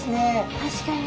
確かに。